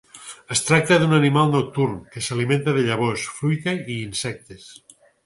Es tracta d'un animal nocturn que s'alimenta de llavors, fruita i insectes.